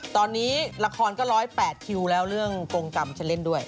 ตอนนี้ละครก็๑๐๘คิวแล้วเรื่องกรงกรรมฉันเล่นด้วย